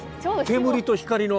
煙と光の。